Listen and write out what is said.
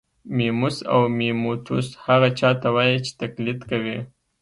میموس او میموتوس هغه چا ته وايي چې تقلید کوي